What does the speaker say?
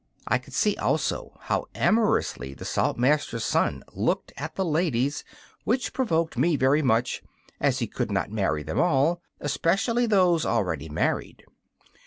I could see also how amorously the Saltmaster's son looked at the ladies, which provoked me very much, as he could not marry them all, especially those already married.